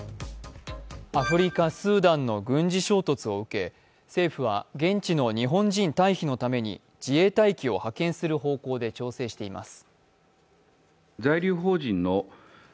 アフリカ・スーダンの軍事衝突を受け政府は現地の日本人退避のために自衛隊機を派遣する方向で調整しています。